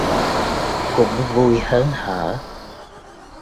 Cũng vui hớn hở